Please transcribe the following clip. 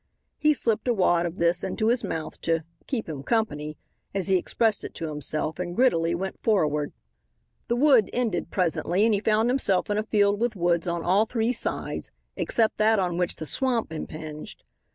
He slipped a wad of this into his mouth to "keep him company" as he expressed it to himself, and grittily went forward. The wood ended presently, and he found himself in a field with woods on all three sides, except that on which the swamp impinged.